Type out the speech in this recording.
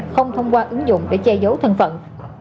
không thông qua ứng dụng để che giấu thân phận